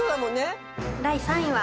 第３位は。